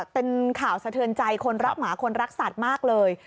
เป็นข่าวสะเทือนใจคนรักหมาคนรักสัตว์มากเลย